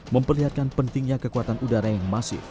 memperlihatkan pentingnya kekuatan udara yang masif